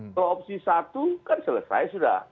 kalau opsi satu kan selesai sudah